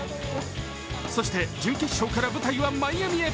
そして準決勝から舞台はマイアミへ。